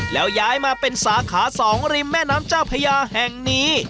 แล้วย้ายมาเป็นสาขา๒ริมแม่น้ำเจ้าพญาแห่งนี้